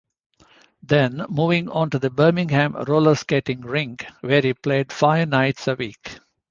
Then moving onto the Birmingham Rollerskating Rink where he played five nights a week.